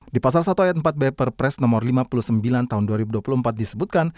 di pasal satu ayat empat b perpres nomor lima puluh sembilan tahun dua ribu dua puluh empat disebutkan